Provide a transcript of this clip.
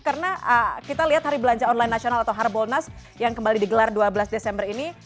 karena kita lihat hari belanja online nasional atau hard bolnas yang kembali digelar dua belas desember ini